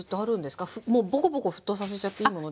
もうボコボコ沸騰させちゃっていいものですか？